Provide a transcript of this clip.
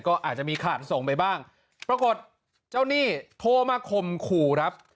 ก็อาจจะมีขาดส่งไปบ้างปรากฏเจ้าหนี้โทรมาข่มขู่ครับ